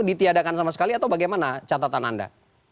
ditiadakan sama sekali atau bagaimana catatan anda